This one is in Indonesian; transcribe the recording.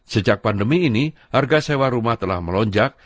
sejak pandemi ini harga sewa rumah telah melonjak